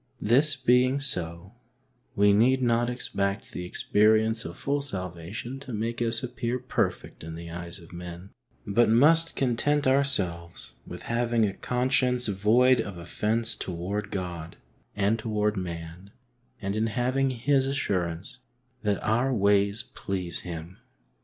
This being so, we need not expect the experience of full salvation to make us appear perfect in the eyes of men, but must content ourselves with having a conscience void of offence toward God and toward man, and in having His assurance that our ways please Him.